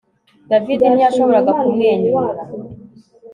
David ntiyashoboraga kumwenyura